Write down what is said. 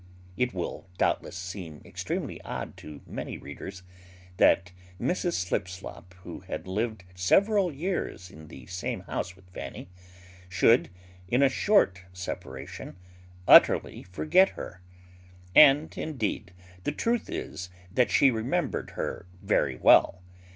_ It will doubtless seem extremely odd to many readers, that Mrs Slipslop, who had lived several years in the same house with Fanny, should, in a short separation, utterly forget her. And indeed the truth is, that she remembered her very well.